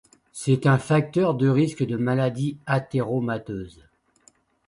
C'est un facteur de risque de maladie athéromateuse.